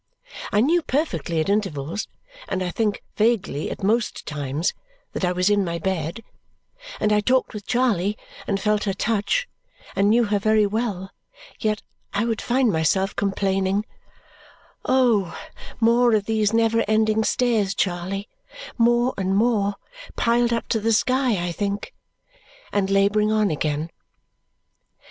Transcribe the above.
I knew perfectly at intervals, and I think vaguely at most times, that I was in my bed; and I talked with Charley, and felt her touch, and knew her very well; yet I would find myself complaining, "Oh, more of these never ending stairs, Charley more and more piled up to the sky', I think!" and labouring on again.